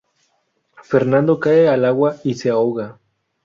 Fernando cae al agua y se ahoga.